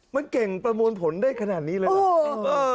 มันเก่งประมวลผลได้ขนาดนี้เลยนะ